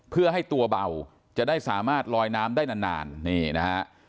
เพื่อให้ตัวเบาจะได้สามารถลอยน้ำได้นานนี่นะฮะ